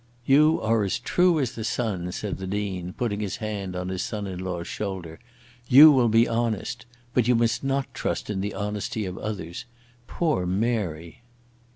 "You are as true as the sun," said the Dean, putting his hand on his son in law's shoulder. "You will be honest. But you must not trust in the honesty of others. Poor Mary!"